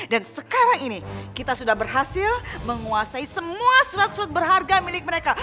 dan sekarang ini kita sudah berhasil menguasai semua surat surat berharga milik mereka